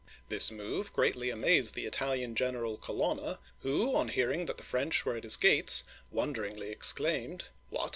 This move greatly amazed the Italian general Colon'na, who, on hearing that the French were at his gates, wonderingly exclaimed: " What